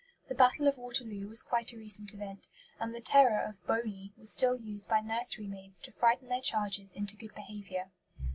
The Battle of Waterloo was quite a recent event; and the terror of "Boney" was still used by nursery maids to frighten their charges into good behaviour.